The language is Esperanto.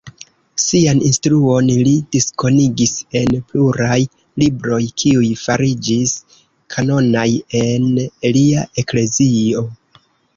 Sian instruon li diskonigis en pluraj libroj, kiuj fariĝis kanonaj en lia eklezio.